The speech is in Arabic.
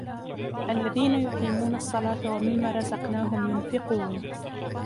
الَّذِينَ يُقِيمُونَ الصَّلَاةَ وَمِمَّا رَزَقْنَاهُمْ يُنْفِقُونَ